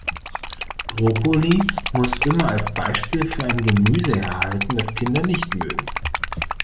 Brokkoli muss immer als Beispiel für ein Gemüse herhalten, das Kinder nicht mögen.